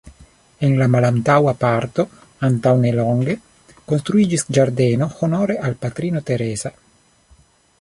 En la malantaŭa parto antaŭnelonge konstruiĝis ĝardeno honore al Patrino Teresa.